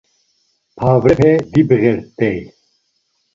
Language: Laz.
Pavrepe dibğert̆ey.